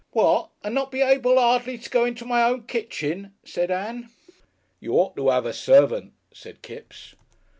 "What! and not be able 'ardly to go into my own kitchen?" said Ann. "You ought to 'ave a servant," said Kipps.